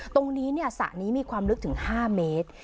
ตรงนี้สระนี้มีความลึกถึง๕เมตร